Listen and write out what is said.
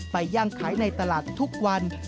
ย่างขายในตลาดทุกวัน